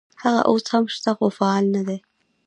هغه اوس هم شته خو فعال نه دي.